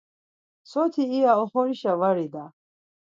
Soti iya oxorişa var ida.